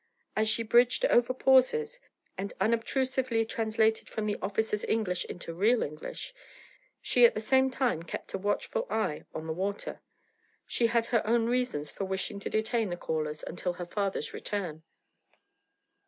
As she bridged over pauses, and unobtrusively translated from the officer's English into real English, she at the same time kept a watchful eye on the water. She had her own reasons for wishing to detain the callers until her father's return.